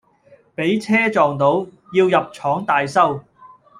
畀車撞到，要入廠大修